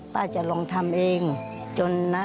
ป้าก็ทำของคุณป้าได้ยังไงสู้ชีวิตขนาดไหนติดตามกัน